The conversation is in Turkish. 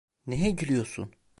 Neye gülüyorsun?